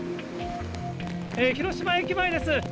広島駅前です。